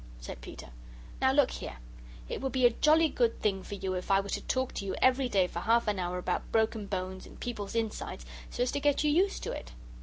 said Peter. "Now look here. It would be a jolly good thing for you if I were to talk to you every day for half an hour about broken bones and people's insides, so as to get you used to it."